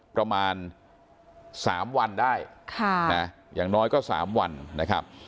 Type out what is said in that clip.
ประมาณ๓วันได้อย่างน้อยก็๓วันนะครับ